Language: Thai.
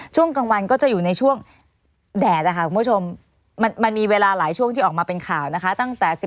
ช่วงกลางวันก็จะอยู่ในช่วงแดดนะคะคุณผู้ชมมันมีเวลาหลายช่วงที่ออกมาเป็นข่าวนะคะ